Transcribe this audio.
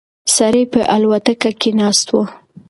سړی په الوتکه کې ناست و.